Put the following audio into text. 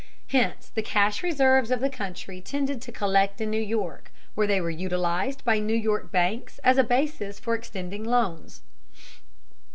Hence the cash reserves of the country tended to collect in New York, where they were utilized by New York banks as a basis for extending loans.